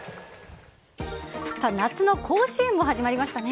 夏の甲子園も始まりましたね。